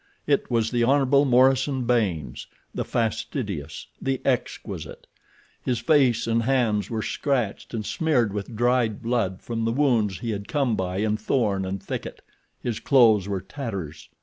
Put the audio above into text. It was the Hon. Morison Baynes—the fastidious—the exquisite. His face and hands were scratched and smeared with dried blood from the wounds he had come by in thorn and thicket. His clothes were tatters.